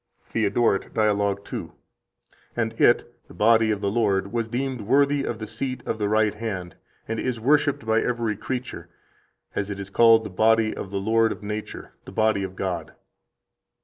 94 THEODORET, Dialog 2: "And it (the body of the Lord) was deemed worthy of the seat of the right hand, and is worshiped by every creature, as it is called the body of the Lord of Nature [the body of God]."